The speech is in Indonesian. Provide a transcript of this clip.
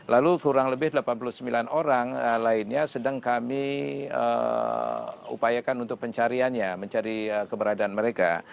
lalu kurang lebih delapan puluh sembilan orang lainnya sedang kami upayakan untuk pencariannya mencari keberadaan mereka